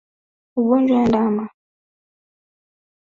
Ugonjwa wa ndama kuharisha